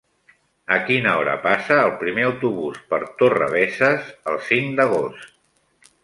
A quina hora passa el primer autobús per Torrebesses el cinc d'agost?